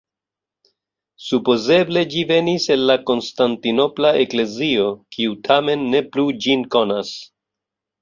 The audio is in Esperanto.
Supozeble ĝi venis el la Konstantinopola eklezio, kiu tamen ne plu ĝin konas.